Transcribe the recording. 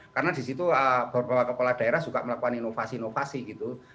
karena di situ beberapa kepala daerah juga melakukan inovasi inovasi gitu